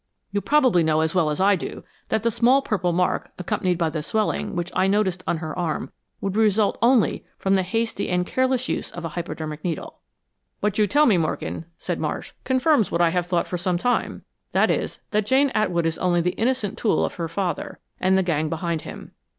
You probably know as well as I do, that the small purple mark, accompanied by the swelling, which I noticed on her arm, would result only from the hasty and careless use of the hypodermic needle." "What you tell me, Morgan," said Marsh, "confirms what I have thought for some time. That is, that Jane Atwood is only the innocent tool of her father, and the gang behind him.